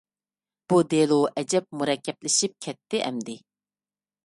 بۇ دېلو ئەجەب مۇرەككەپلىشىپ كەتتى ئەمدى.